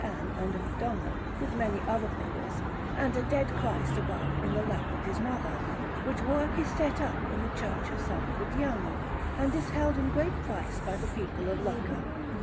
Anne and a Madonna, with many other figures, and a Dead Christ above in the lap of His Mother; which work is set up in the Church of S. Fridiano, and is held in great price by the people of Lucca.